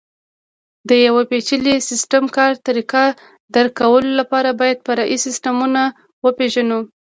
د یوه پېچلي سیسټم کار طریقه درک کولو لپاره باید فرعي سیسټمونه وپېژنو.